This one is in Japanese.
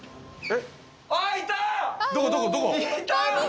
えっ？